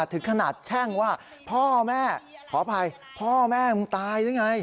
ถึงขนาดแช่งว่าพ่อแม่ขออภัยพ่อแม่มึงตายหรือไง